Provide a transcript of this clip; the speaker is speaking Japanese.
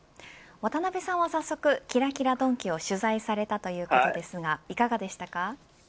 渡辺さんは早速キラキラドンキを取材されたということですがいかがでしたか。